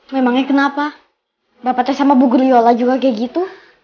memangnya kenapa bapak saya sama bu geriola juga kayak gitu